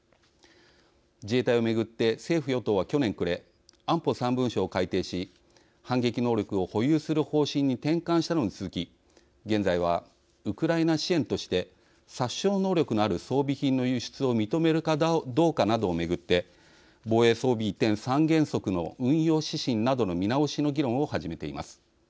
自衛隊を巡って政府与党は去年暮れ安保３文書を改定し反撃能力を保有する方針に転換したのに続き現在はウクライナ支援として殺傷能力のある装備品の輸出を認めるかどうかなどを巡って防衛装備移転三原則の運用指針などの見直しの議論を始めています。